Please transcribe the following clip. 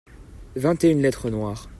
vingt et une lettres noires.